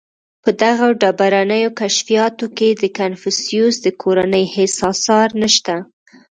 • په دغو ډبرینو کشفیاتو کې د کنفوسیوس د کورنۍ هېڅ آثار نهشته.